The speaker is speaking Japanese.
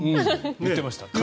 言ってました。